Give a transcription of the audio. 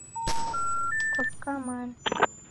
Kwaw'uka mana?